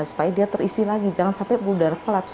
supaya dia terisi lagi jangan sampai udara kolaps